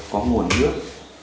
có nguồn nước